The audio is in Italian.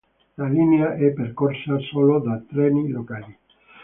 La linea è percorsa solo da treni locali